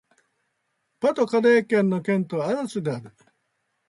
パ＝ド＝カレー県の県都はアラスである